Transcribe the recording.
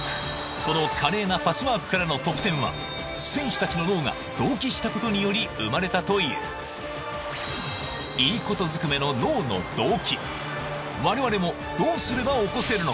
この華麗なパスワークからの得点は選手たちの脳が同期したことにより生まれたという我々もどうすれば起こせるのか？